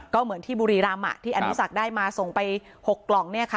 ก็เหมือนที่บุรีรามะที่อนุศักดิ์ได้มาส่งไปหกกล่องเนี่ยคะ